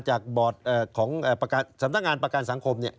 จากสำนักงานประกันสังคม